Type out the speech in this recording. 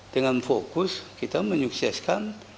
dengan fokus kita menyukseskan